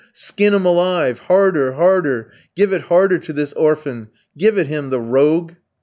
skin him alive! Harder! harder! Give it harder to this orphan! Give it him, the rogue."